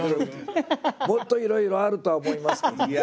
もっといろいろあるとは思いますけどね。